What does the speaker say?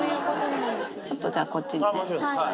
ちょっとじゃあ、こっちにね。